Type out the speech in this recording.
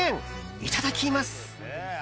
いただきます。